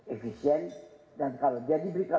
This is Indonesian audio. efisien dan kalau dia diberikan